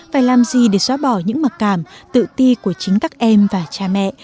phải làm gì để xóa bỏ những mặc cảm tự ti của chính các em và cha mẹ